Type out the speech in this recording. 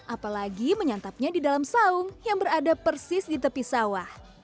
apalagi menyantapnya di dalam saung yang berada persis di tepi sawah